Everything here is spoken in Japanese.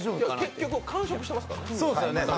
結局完食してますから。